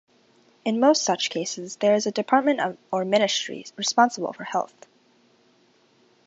In most such cases, there is a department or ministry responsible for health.